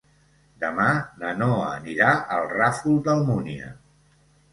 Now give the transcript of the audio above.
Demà na Noa anirà al Ràfol d'Almúnia.